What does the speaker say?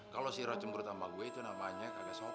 kalau si roh cembrut sama gue itu namanya kagak sopan